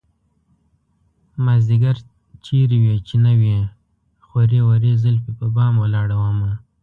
مازديگر چېرته وې چې نه وې خورې ورې زلفې په بام ولاړه ومه